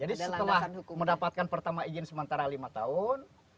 jadi setelah mendapatkan pertama izin sementara lima tahun